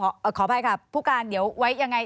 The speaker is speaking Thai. ขออภัยค่ะผู้การเดี๋ยวไว้ยังไง